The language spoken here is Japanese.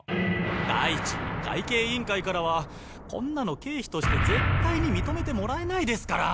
だいいち会計委員会からはこんなの経費としてぜったいにみとめてもらえないですから。